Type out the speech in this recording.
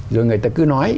rồi người ta cứ nói